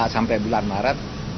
sampai bulan maret